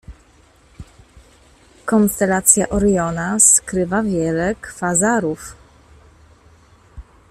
Konstelacja Oriona skrywa wiele kwazarów.